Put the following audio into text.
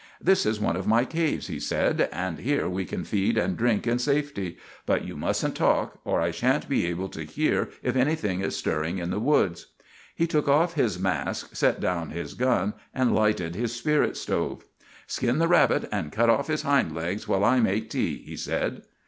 "This is one of my caves," he said, "and here we can feed and drink in safety; but you mustn't talk or I sha'n't be able to hear if anything is stirring in the woods." He took off his mask, set down his gun, and lighted his spirit stove. "Skin the rabbit and cut off his hind legs while I make tea," he said.